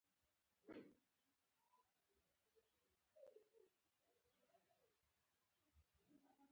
په نولس سوه یو کال کې سویلي رودزیا مستعمره جوړه شوه.